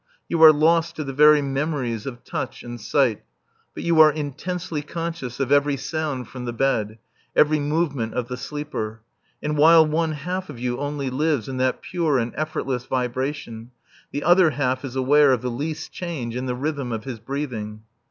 You are lost to the very memories of touch and sight, but you are intensely conscious of every sound from the bed, every movement of the sleeper. And while one half of you only lives in that pure and effortless vibration, the other half is aware of the least change in the rhythm of his breathing.